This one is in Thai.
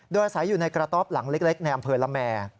โดยอาศัยอยู่ในกระทอบหลังเล็กแนมเผลอละแม่